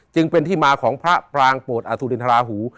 จึงเป็นที่มาของพระปรางโปรดอสุรินทราหู